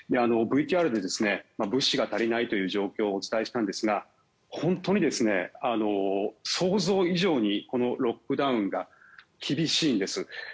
ＶＴＲで物資が足りないという状況をお伝えしたんですが本当に想像以上にこのロックダウンが厳しいんです。